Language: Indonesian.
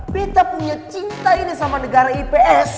kita punya cinta ini sama negara ips